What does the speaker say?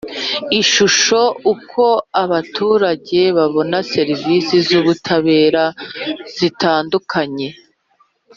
Ishusho uko abaturage babona serivisi z ubutabera zitandukanye